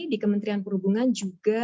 di kementerian perhubungan juga